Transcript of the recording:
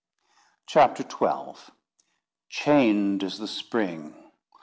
CHAPTER XII "Chained is the Spring.